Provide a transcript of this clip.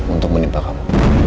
untuk menimpa kamu